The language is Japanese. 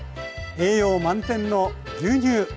栄養満点の牛乳！